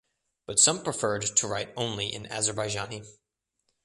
But some preferred to write only in Azerbaijani.